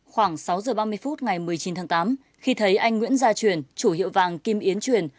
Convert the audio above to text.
khoảng sáu giờ ba mươi phút ngày một mươi chín tháng tám khi thấy anh nguyễn gia truyền chủ hiệu vàng kim yến truyền